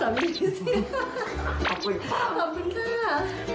โปรดคลิกนะคะ